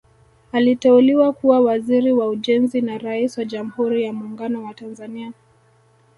Aliteuliwa kuwa Waziri wa Ujenzi na Rais wa Jamhuri ya Muungano wa Tanzania